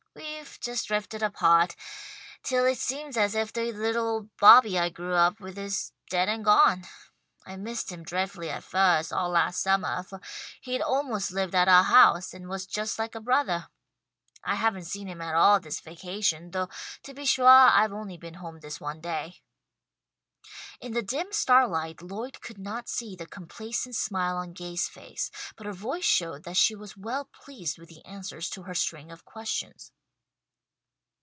We've just drifted apart, till it seems as if the little old Bobby I grew up with is dead and gone. I missed him dreadfully at first, all last summah, for he'd almost lived at our house, and was just like a brothah. I haven't seen him at all this vacation, though to be suah I've only been home this one day." In the dim starlight Lloyd could not see the complacent smile on Gay's face, but her voice showed that she was well pleased with the answers to her string of questions.